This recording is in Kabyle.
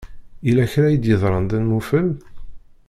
Yella kra i d-yeḍran d amnufel?